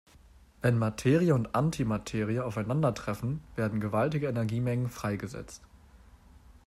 Wenn Materie und Antimaterie aufeinander treffen, werden gewaltige Energiemengen freigesetzt.